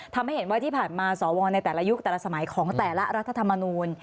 ทำให้เห็นว่าที่ผ่านมาสวในแต่ละยุคแต่ละสมัยของแต่ละรัฐธรรมนูล